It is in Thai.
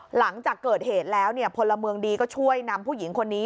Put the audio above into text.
หลังจากเกิดเหตุแล้วเนี่ยพลเมืองดีก็ช่วยนำผู้หญิงคนนี้